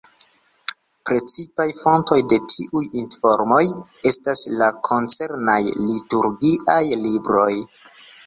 Precipaj fontoj de tiuj informoj estas la koncernaj liturgiaj libroj.